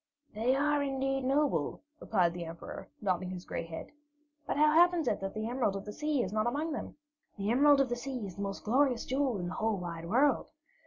"They are indeed noble," replied the Emperor, nodding his gray head. "But how happens it that the Emerald of the Sea is not among them? The Emerald of the Sea is the most glorious jewel in the whole wide world.